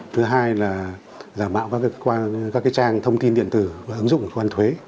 thứ hai là giả mạo các trang thông tin điện tử và ứng dụng của cộng đồng thuế